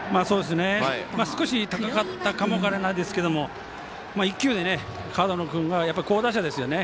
少し高かったかも分からないですけど１球で、門野君が好打者ですよね。